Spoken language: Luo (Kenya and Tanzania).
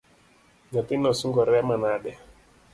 Nyathino sungore manade.